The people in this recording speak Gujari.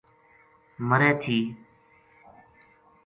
مرے تھی